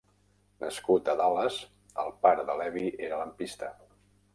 Nascut a Dallas, el pare de Levy era lampista.